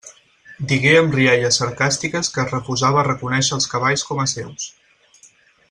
Digué amb rialles sarcàstiques que es refusava a reconèixer els cavalls com a seus.